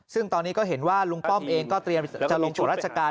ซึ่งตอนนี้ก็เห็นว่าลุงป้อมเองก็เตรียมจะลงตรวจราชการ